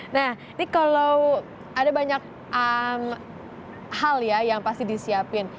nah ini kalau ada banyak hal ya yang pasti disiapin